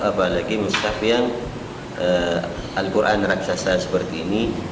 apalagi mustaf yang al quran raksasa seperti ini